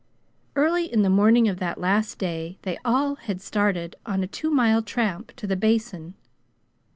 Early in the morning of that last day they had all started on a two mile tramp to "the Basin."